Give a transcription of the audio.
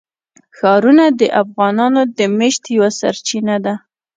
ښارونه د افغانانو د معیشت یوه سرچینه ده.